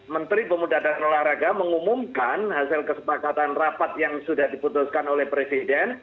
menteri pemuda dan olahraga mengumumkan hasil kesepakatan rapat yang sudah diputuskan oleh presiden